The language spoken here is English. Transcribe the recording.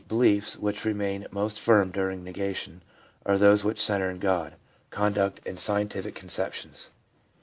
beliefs which remain most firm during negation are those which centre in God, Conduct and Scientific conceptions.